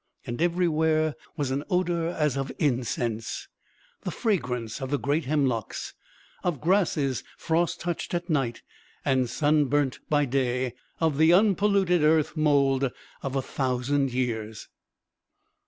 Everywhere was an odour as of incense, the fragrance of the great hemlocks, of grasses frost touched at night and sunburnt by day, of the unpolluted earth mould of a thousand years.